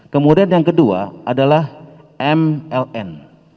kemudian yang kedua adalah mln